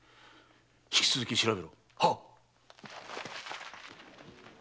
引き続き調べろ。